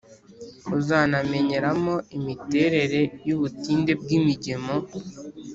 Uzanamenyeramo imiterere y’ubutinde bw’imigemo